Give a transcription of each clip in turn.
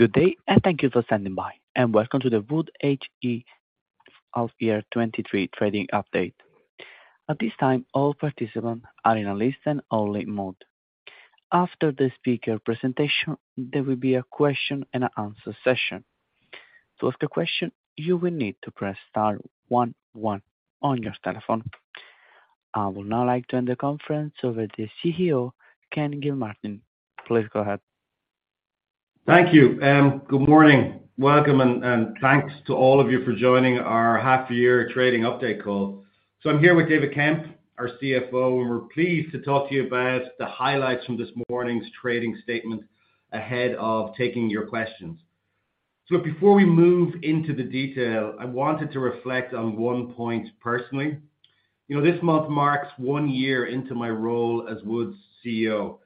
Good day, thank you for standing by, and welcome to the Wood H1 half year 2023 trading update. At this time, all participants are in a listen-only mode. After the speaker presentation, there will be a question and answer session. To ask a question, you will need to press star one on your telephone. I would now like to hand the conference over to the CEO, Ken Gilmartin. Please go ahead. Thank you. Good morning. Welcome and thanks to all of you for joining our half year trading update call. I'm here with David Kemp, our CFO, and we're pleased to talk to you about the highlights from this morning's trading statement ahead of taking your questions. Before we move into the detail, I wanted to reflect on one point personally. You know, this month marks one year into my role as Wood's CEO.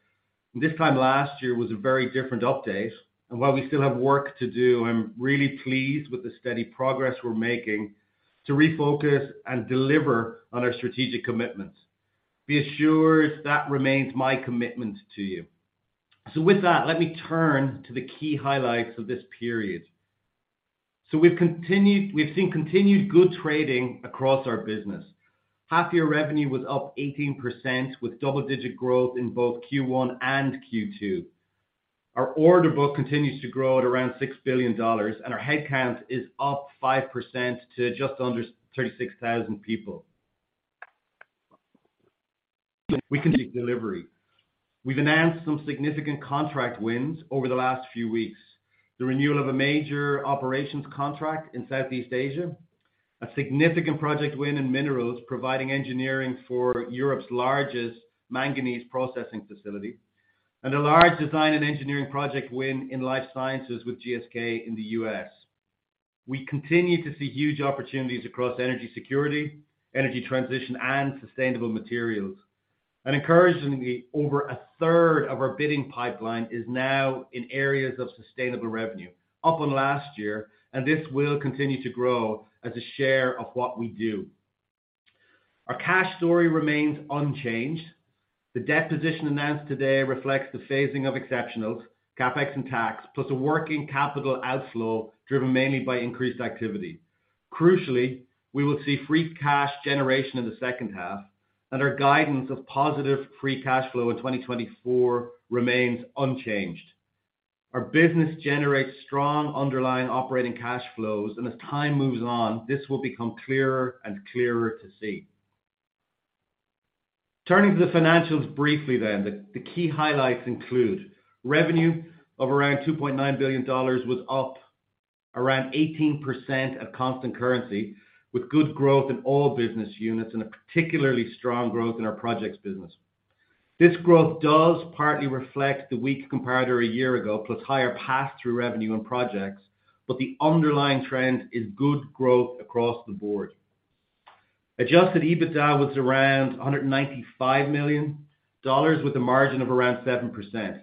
This time last year was a very different update, and while we still have work to do, I'm really pleased with the steady progress we're making to refocus and deliver on our strategic commitments. Be assured that remains my commitment to you. With that, let me turn to the key highlights of this period. We've seen continued good trading across our business. Half year revenue was up 18%, with double-digit growth in both Q1 and Q2. Our order book continues to grow at around $6 billion, and our headcount is up 5% to just under 36,000 people. We continue delivery. We've announced some significant contract wins over the last few weeks. The renewal of a major operations contract in Southeast Asia, a significant project win in minerals, providing engineering for Europe's largest manganese processing facility, and a large design and engineering project win in Life Sciences with GSK in the U.S. We continue to see huge opportunities across energy security, energy transition, and sustainable materials. Encouragingly, over a third of our bidding pipeline is now in areas of sustainable revenue, up on last year, and this will continue to grow as a share of what we do. Our cash story remains unchanged. The debt position announced today reflects the phasing of exceptionals, CapEx and tax, plus a working capital outflow driven mainly by increased activity. Crucially, we will see free cash generation in the second half, and our guidance of positive free cash flow in 2024 remains unchanged. Our business generates strong underlying operating cash flows, and as time moves on, this will become clearer and clearer to see. Turning to the financials briefly, the key highlights include revenue of around $2.9 billion was up around 18% at constant currency, with good growth in all business units and a particularly strong growth in our projects business. This growth does partly reflect the weak comparator a year ago, plus higher pass-through revenue and projects. The underlying trend is good growth across the board. Adjusted EBITDA was around $195 million, with a margin of around 7%,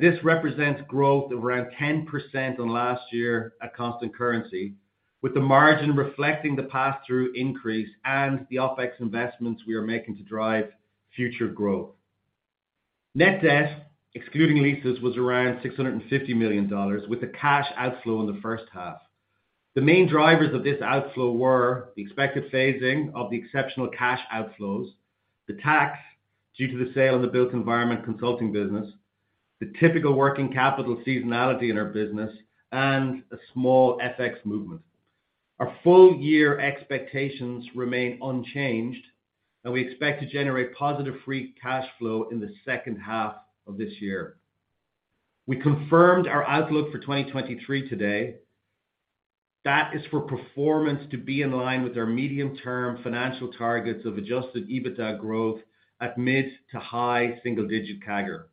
this represents growth of around 10% on last year at constant currency, with the margin reflecting the pass-through increase and the OpEx investments we are making to drive future growth. Net debt, excluding leases, was around $650 million, with a cash outflow in the first half. The main drivers of this outflow were the expected phasing of the exceptional cash outflows, the tax due to the sale of the Built Environment Consulting business, the typical working capital seasonality in our business, and a small FX movement. Our full year expectations remain unchanged, we expect to generate positive free cash flow in the second half of this year. We confirmed our outlook for 2023 today. That is for performance to be in line with our medium-term financial targets of adjusted EBITDA growth at mid to high single-digit CAGR.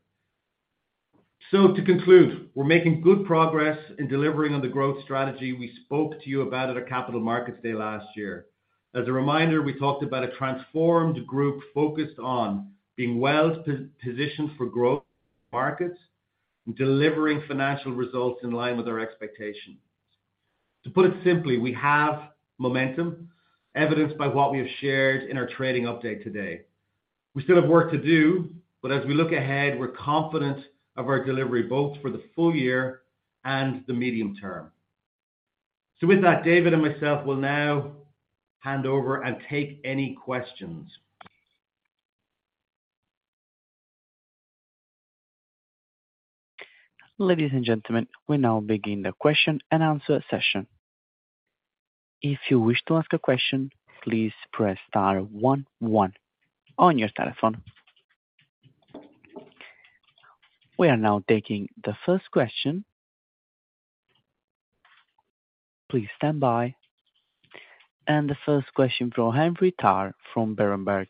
To conclude, we're making good progress in delivering on the growth strategy we spoke to you about at our Capital Markets Day last year. As a reminder, we talked about a transformed group focused on being well positioned for growth markets and delivering financial results in line with our expectations. To put it simply, we have momentum, evidenced by what we have shared in our trading update today. We still have work to do, but as we look ahead, we're confident of our delivery, both for the full year and the medium term. With that, David and myself will now hand over and take any questions. Ladies and gentlemen, we now begin the question and answer session. If you wish to ask a question, please press star one on your telephone. We are now taking the first question. Please stand by. The first question from Henry Tarr from Berenberg.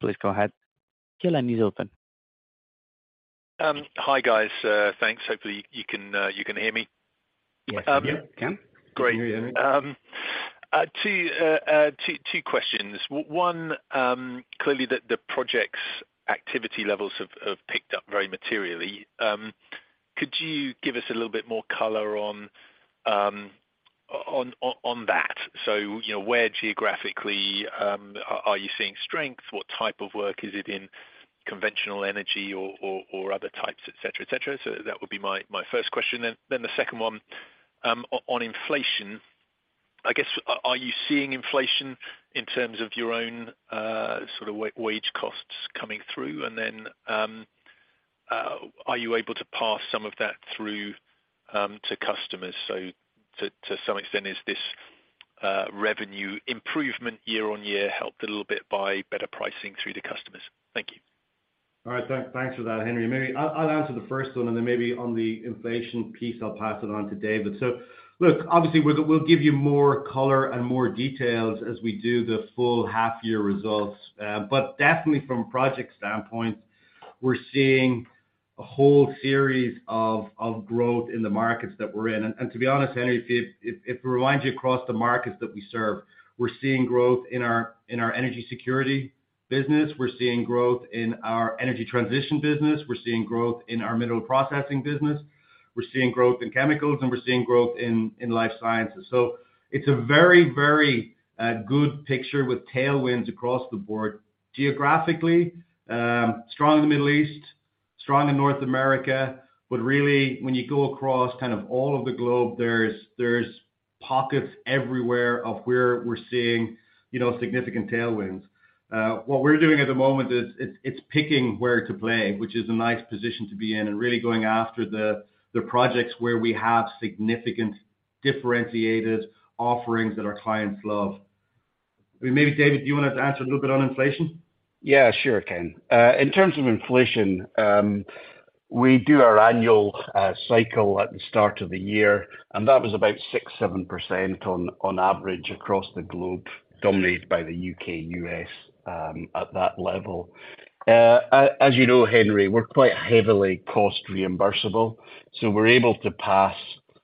Please go ahead. Your line is open. Hi, guys. Thanks. Hopefully, you can hear me? Yes, we can. Great. Two questions. One, clearly the projects activity levels have picked up very materially. Could you give us a little bit more color on that. You know, where geographically are you seeing strength? What type of work, is it in conventional energy or other types, et cetera, et cetera? That would be my first question. The second one, on inflation, I guess, are you seeing inflation in terms of your own sort of wage costs coming through? Are you able to pass some of that through to customers? To some extent, is this revenue improvement year-on-year helped a little bit by better pricing through the customers? Thank you. All right. Thanks for that, Henry. Maybe I'll answer the first one, and then maybe on the inflation piece, I'll pass it on to David. Look, obviously, we'll give you more color and more details as we do the full half year results. Definitely from a project standpoint, we're seeing a whole series of growth in the markets that we're in. To be honest, Henry, if it reminds you across the markets that we serve, we're seeing growth in our energy security business, we're seeing growth in our energy transition business, we're seeing growth in our mineral processing business, we're seeing growth in chemicals, and we're seeing growth in life sciences. It's a very, very good picture with tailwinds across the board. Geographically, strong in the Middle East, strong in North America. Really, when you go across kind of all of the globe, there's pockets everywhere of where we're seeing, you know, significant tailwinds. What we're doing at the moment is, it's picking where to play, which is a nice position to be in, and really going after the projects where we have significant differentiated offerings that our clients love. I mean, maybe David, do you want to answer a little bit on inflation? Yeah, sure, Ken. In terms of inflation, we do our annual cycle at the start of the year, that was about 6%-7% on average across the globe, dominated by the U.K., U.S. at that level. As you know, Henry, we're quite heavily cost reimbursable, we're able to pass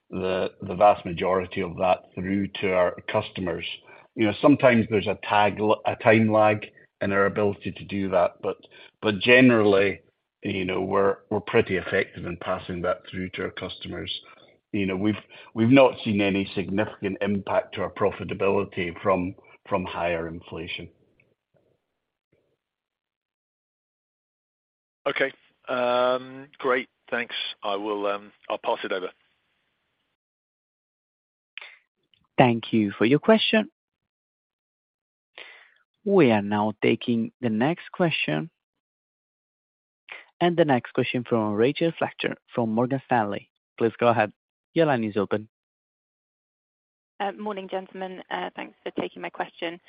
the vast majority of that through to our customers. You know, sometimes there's a time lag in our ability to do that, but generally, you know, we're pretty effective in passing that through to our customers. You know, we've not seen any significant impact to our profitability from higher inflation. Okay. great, thanks. I will, I'll pass it over. Thank you for your question. We are now taking the next question. The next question from Rachel Fletcher from Morgan Stanley. Please go ahead. Your line is open. Morning, gentlemen. Thanks for taking my question.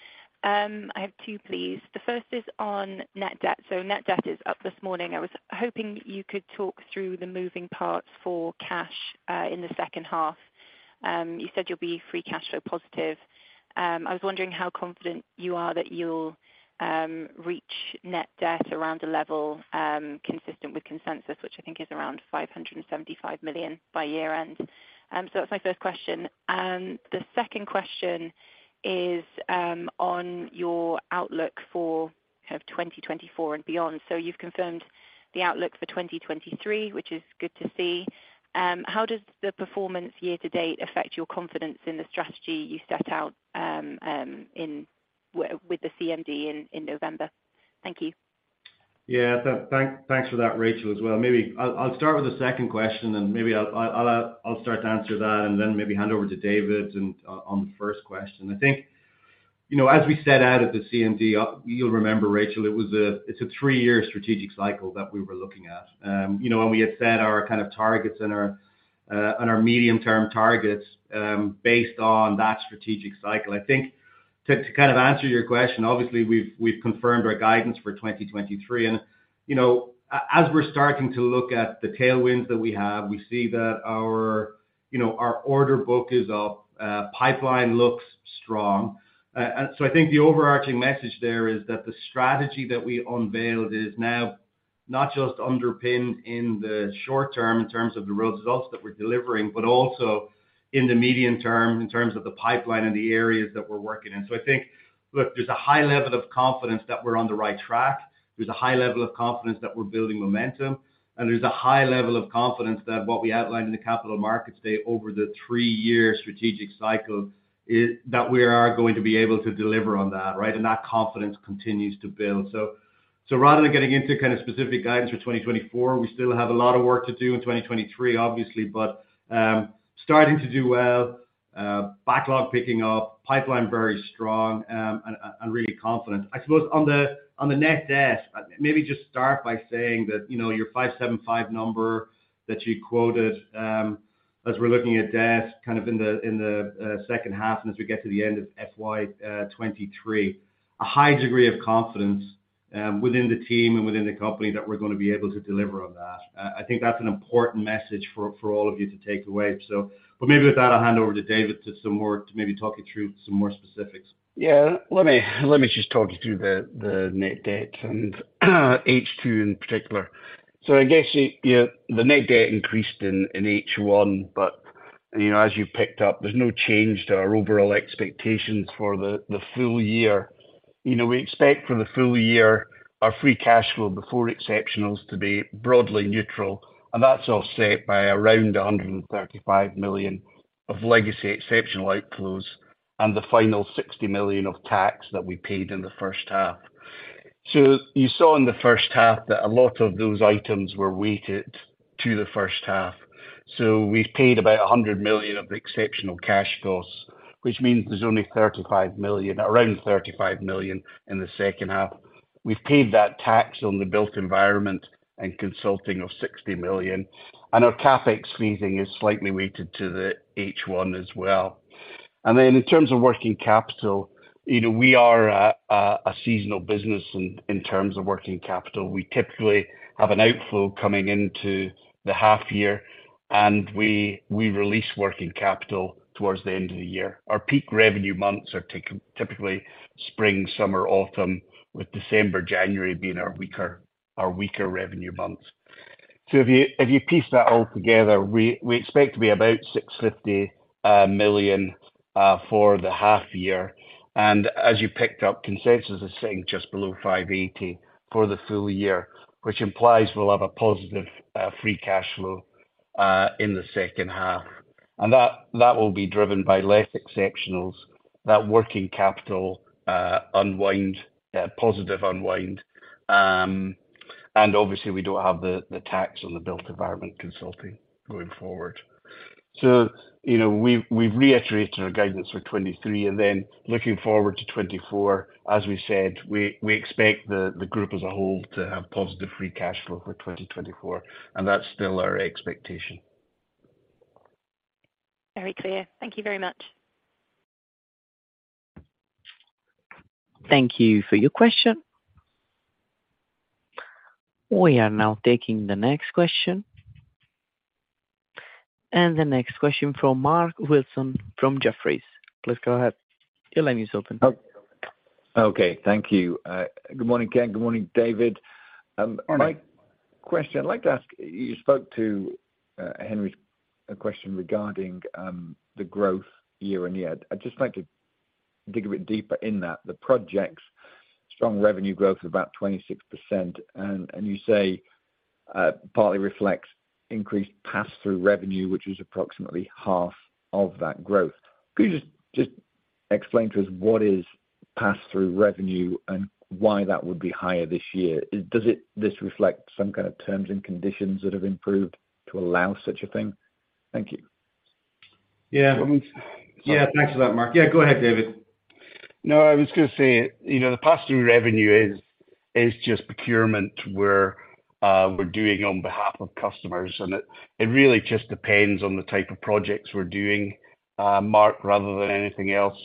I have two, please. The first is on net debt. Net debt is up this morning. I was hoping you could talk through the moving parts for cash in the second half. You said you'll be free cash flow positive. I was wondering how confident you are that you'll reach net debt around the level consistent with consensus, which I think is around $575 million by year-end. That's my first question. The second question is on your outlook for kind of 2024 and beyond. You've confirmed the outlook for 2023, which is good to see. How does the performance year to date affect your confidence in the strategy you set out in with the CMD in November? Thank you. Thanks for that, Rachel, as well. I'll start with the second question and I'll start to answer that and then hand over to David on the first question. You know, as we set out at the CMD, you'll remember, Rachel, it's a three-year strategic cycle that we were looking at. You know, we had set our kind of targets and our medium-term targets based on that strategic cycle. To kind of answer your question, obviously, we've confirmed our guidance for 2023. You know, as we're starting to look at the tailwinds that we have, we see that our, you know, our order book is up, pipeline looks strong. I think the overarching message there is that the strategy that we unveiled is now not just underpinned in the short term, in terms of the real results that we're delivering, but also in the medium term, in terms of the pipeline and the areas that we're working in. I think, look, there's a high level of confidence that we're on the right track. There's a high level of confidence that we're building momentum, and there's a high level of confidence that what we outlined in the Capital Markets Day over the three-year strategic cycle is, that we are going to be able to deliver on that, right? That confidence continues to build. Rather than getting into kind of specific guidance for 2024, we still have a lot of work to do in 2023, obviously, but starting to do well, backlog picking up, pipeline very strong, and really confident. I suppose on the net debt, maybe just start by saying that, you know, your $575 number that you quoted, as we're looking at debt kind of in the second half and as we get to the end of FY 2023, a high degree of confidence within the team and within the company that we're going to be able to deliver on that. I think that's an important message for all of you to take away. Maybe with that, I'll hand over to David to some more, to maybe talk you through some more specifics. Yeah. Let me just talk you through the net debt and H2 in particular. I guess, yeah, the net debt increased in H1, but, you know, as you picked up, there's no change to our overall expectations for the full year. You know, we expect for the full year, our free cash flow before exceptionals to be broadly neutral, that's offset by around $135 million of legacy exceptional outflows and the final $60 million of tax that we paid in the first half. You saw in the first half that a lot of those items were weighted to the first half. We've paid about $100 million of the exceptional cash costs, which means there's only around $35 million in the second half. We've paid that tax on the Built Environment Consulting of $60 million, our CapEx seasoning is slightly weighted to the H1 as well. In terms of working capital, you know, we are a seasonal business in terms of working capital. We typically have an outflow coming into the half year, and we release working capital towards the end of the year. Our peak revenue months are typically spring, summer, autumn, with December, January being our weaker revenue months. If you piece that all together, we expect to be about $650 million for the half year, and as you picked up, consensus is sitting just below $580 for the full year, which implies we'll have a positive free cash flow in the second half. That will be driven by less exceptionals, that working capital, unwind, positive unwind. Obviously, we don't have the tax on the Built Environment Consulting going forward. You know, we've reiterated our guidance for 2023, and then looking forward to 2024, as we said, we expect the group as a whole to have positive free cash flow for 2024, and that's still our expectation. Very clear. Thank you very much. Thank you for your question. We are now taking the next question. The next question from Mark Wilson from Jefferies. Please go ahead. Your line is open. Okay. Thank you. Good morning, Ken. Good morning, David. Morning. My question, I'd like to ask, you spoke to Henry's question regarding the growth year on year. I'd just like to dig a bit deeper in that. The projects, strong revenue growth of about 26%, and you say partly reflects increased pass-through revenue, which is approximately half of that growth. Could you just explain to us what is pass-through revenue and why that would be higher this year? Does this reflect some kind of terms and conditions that have improved to allow such a thing? Thank you. Yeah. When we- Yeah, thanks for that, Mark. Yeah, go ahead, David. No, I was gonna say, you know, the pass-through revenue is just procurement where we're doing on behalf of customers, and it really just depends on the type of projects we're doing, Mark, rather than anything else.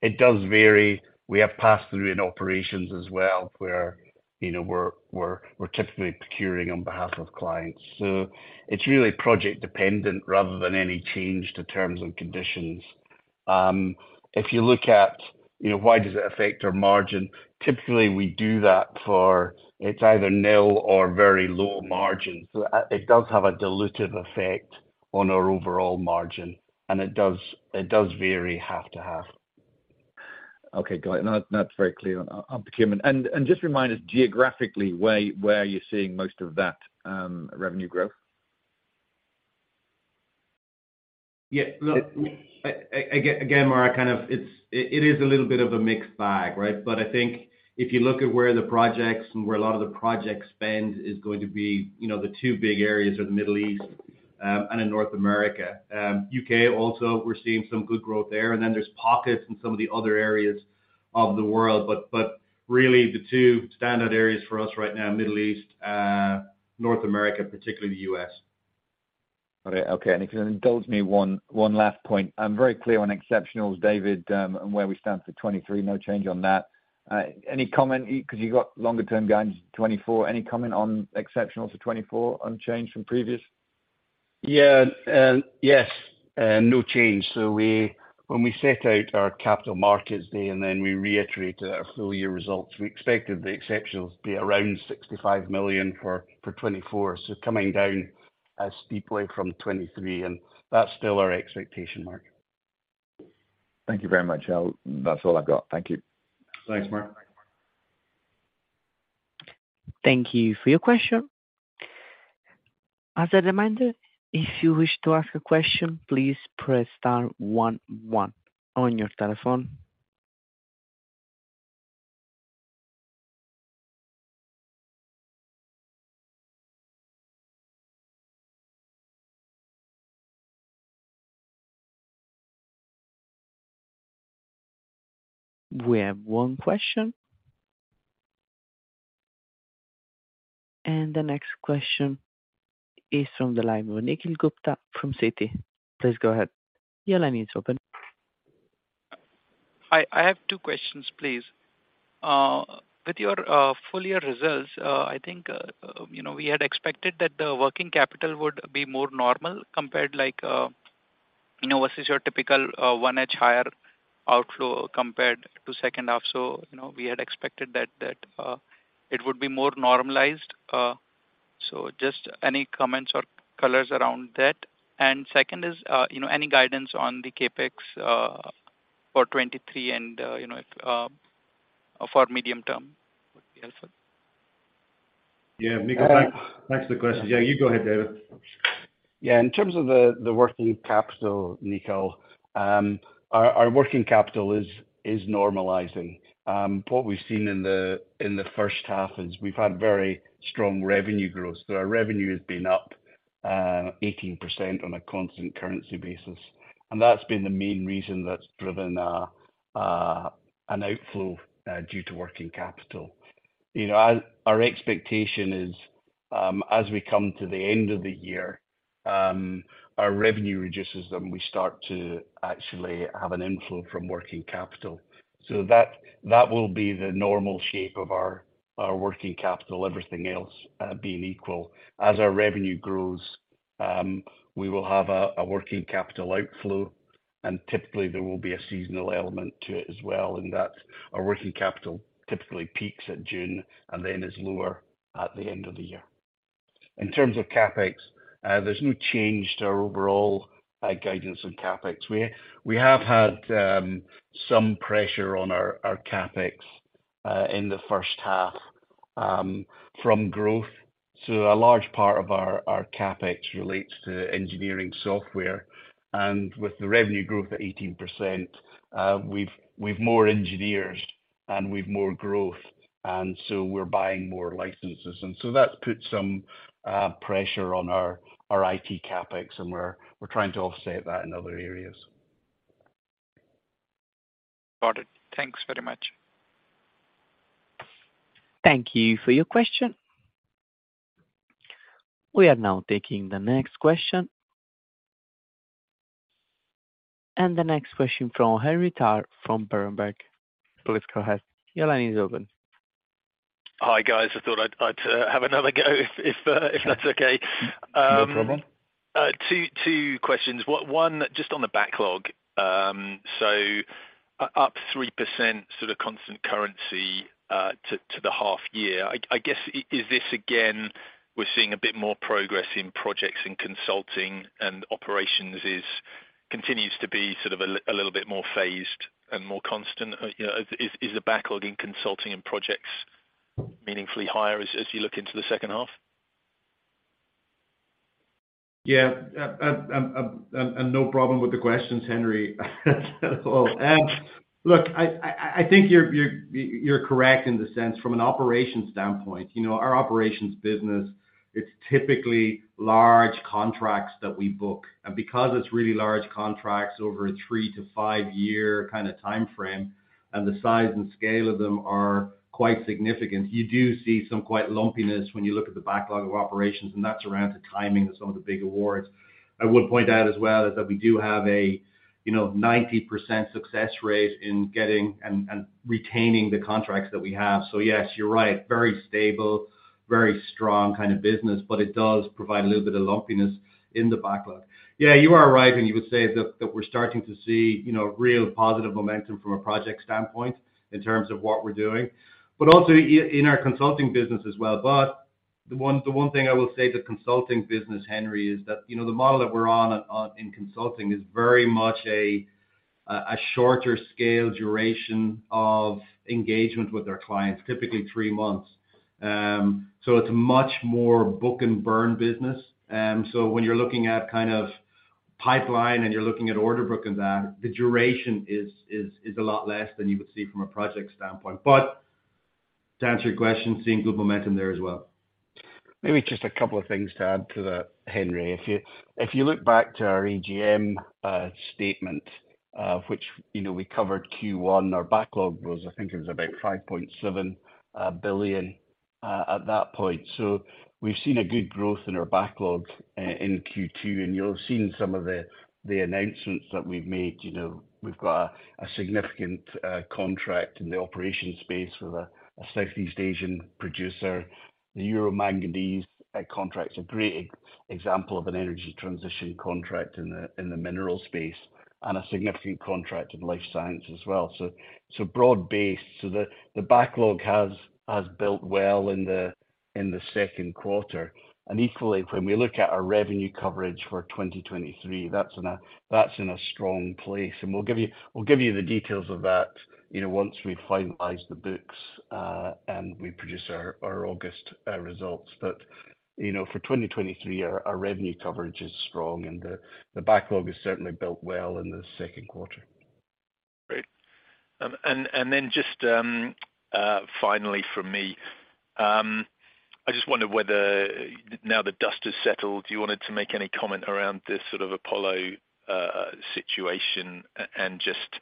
It does vary. We have pass-through in operations as well, where, you know, we're typically procuring on behalf of clients. It's really project dependent rather than any change to terms and conditions. If you look at, you know, why does it affect our margin? Typically, we do that. It's either nil or very low margin. It does have a dilutive effect on our overall margin, and it does vary half to half. Okay, got it. No, that's very clear on procurement. Just remind us geographically, where are you seeing most of that revenue growth? Yeah. Look, again, Mark, kind of it's, it is a little bit of a mixed bag, right? I think if you look at where the projects and where a lot of the project spend is going to be, you know, the two big areas are the Middle East and in North America. U.K. also, we're seeing some good growth there, and then there's pockets in some of the other areas of the world. Really, the two standard areas for us right now, Middle East, North America, particularly the US. Okay, okay. If you can indulge me one last point. I'm very clear on exceptionals, David, and where we stand for 2023. No change on that. Any comment, because you've got longer term guidance, 2024. Any comment on exceptionals for 2024, unchanged from previous? Yes, no change. When we set out our Capital Markets Day, and then we reiterated our full year results, we expected the exceptionals to be around $65 million for 2024. Coming down as steeply from 2023, and that's still our expectation, Mark. Thank you very much. That's all I've got. Thank you. Thanks, Mark. Thank you for your question. As a reminder, if you wish to ask a question, please press star one on your telephone. We have one question. The next question is from the line of Nikhil Gupta from Citi. Please go ahead. Your line is open. Hi, I have two questions, please. With your full year results, I think, you know, we had expected that the working capital would be more normal compared, like, you know, versus your typical, 1H higher outflow compared to second half. You know, we had expected that, it would be more normalized. Just any comments or colors around that? Second is, you know, any guidance on the CapEx for 2023 and, you know, if, for medium term? What else? Nikhil, thanks for the question. Yeah, you go ahead, David. Yeah, in terms of the working capital, Nikhil, our working capital is normalizing. What we've seen in the first half is we've had very strong revenue growth. Our revenue has been up 18% on a constant currency basis, and that's been the main reason that's driven an outflow due to working capital. You know, our expectation is, as we come to the end of the year, our revenue reduces, then we start to actually have an inflow from working capital. That will be the normal shape of our working capital, everything else being equal. As our revenue grows, we will have a working capital outflow. Typically there will be a seasonal element to it as well, in that our working capital typically peaks at June and then is lower at the end of the year. In terms of CapEx, there's no change to our overall guidance on CapEx. We have had some pressure on our CapEx in the first half from growth. A large part of our CapEx relates to engineering software, and with the revenue growth at 18%, we've more engineers and we've more growth, and so we're buying more licenses. That's put some pressure on our IT CapEx, and we're trying to offset that in other areas. Got it. Thanks very much. Thank you for your question. We are now taking the next question. The next question from Henry Tarr from Berenberg. Please go ahead. Your line is open. Hi, guys, I thought I'd have another go if that's okay. No problem. Two questions. One just on the backlog. Up 3% sort of constant currency to the H1, I guess is this, again, we're seeing a bit more progress in projects and consulting, and operations continues to be sort of a little bit more phased and more constant? You know, is the backlog in consulting and projects meaningfully higher as you look into the H2? Yeah, no problem with the questions, Henry, at all. Look, I think you're correct in the sense from an operations standpoint. You know, our operations business, it's typically large contracts that we book. Because it's really large contracts over a 3-5-year kind of timeframe, and the size and scale of them are quite significant, you do see some quite lumpiness when you look at the backlog of operations, and that's around the timing of some of the big awards. I would point out as well, is that we do have a, you know, 90% success rate in getting and retaining the contracts that we have. Yes, you're right, very stable, very strong kind of business, but it does provide a little bit of lumpiness in the backlog. Yeah, you are right when you would say that we're starting to see, you know, real positive momentum from a project standpoint in terms of what we're doing, but also in our consulting business as well. The one thing I will say, the consulting business, Henry, is that, you know, the model that we're on in consulting is very much a shorter scale duration of engagement with our clients, typically three months. It's a much more book and burn business. When you're looking at kind of pipeline and you're looking at order book and that, the duration is a lot less than you would see from a project standpoint. To answer your question, seeing good momentum there as well. Maybe just a couple of things to add to that, Henry. If you look back to our AGM statement, which, you know, we covered Q1, our backlog was, I think, it was about $5.7 billion at that point. We've seen a good growth in our backlog in Q2, and you'll have seen some of the announcements that we've made. You know, we've got a significant contract in the operations space with a Southeast Asian producer. The Euro Manganese contract is a great example of an energy transition contract in the mineral space, and a significant contract in Life Sciences as well. Broad-based, the backlog has built well in the second quarter. Equally, when we look at our revenue coverage for 2023, that's in a strong place. We'll give you the details of that, you know, once we finalize the books, and we produce our August results. You know, for 2023, our revenue coverage is strong, and the backlog is certainly built well in the second quarter. Great. Then just, finally from me, I just wondered whether now the dust has settled, you wanted to make any comment around the sort of Apollo situation and just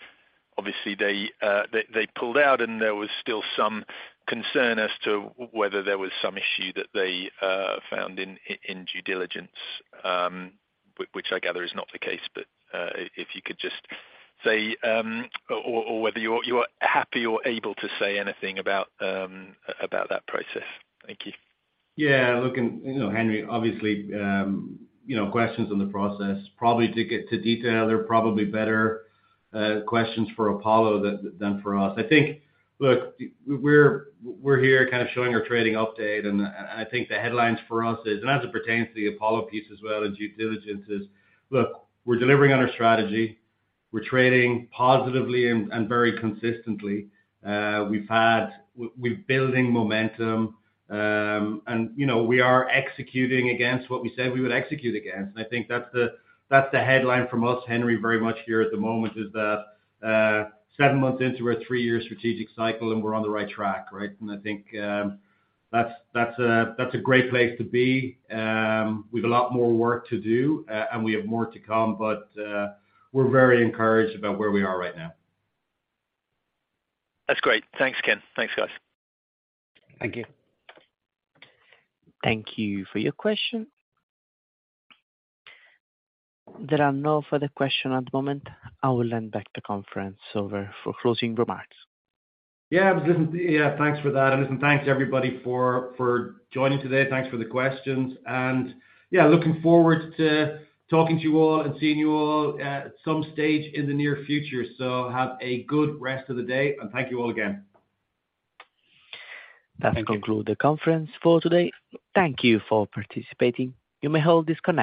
obviously they pulled out, and there was still some concern as to whether there was some issue that they found in due diligence, which I gather is not the case. If you could just say, or whether you're happy or able to say anything about that process. Thank you. Yeah, look, you know, Henry, obviously, you know, questions on the process, probably to get to detail, they're probably better questions for Apollo than for us. I think, look, we're here kind of showing our trading update, and I think the headlines for us is, and as it pertains to the Apollo piece as well as due diligence, is, look, we're delivering on our strategy. We're trading positively and very consistently. We're building momentum, and, you know, we are executing against what we said we would execute against. I think that's the headline from us, Henry, very much here at the moment, is that, seven months into our three-year strategic cycle, we're on the right track, right? I think, that's a great place to be. We've a lot more work to do, and we have more to come, but we're very encouraged about where we are right now. That's great. Thanks, Ken. Thanks, guys. Thank you. Thank you for your question. There are no further questions at the moment. I will hand back the conference over for closing remarks. Yeah, listen, yeah, thanks for that, and listen, thanks, everybody, for joining today. Thanks for the questions. Yeah, looking forward to talking to you all and seeing you all at some stage in the near future. Have a good rest of the day, and thank you all again. Thank you. That conclude the conference for today. Thank you for participating. You may all disconnect.